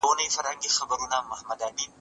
د نجونو زده کړه د ټولنې خدمت ته لېوالتيا زياتوي.